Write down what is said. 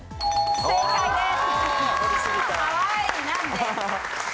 正解です。